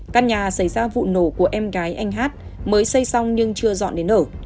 căn nhà xảy ra vụ nổ của em gái anh hát mới xây xong nhưng chưa dọn đến ở